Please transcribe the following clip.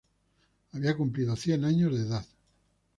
Había cumplido cien años de edad.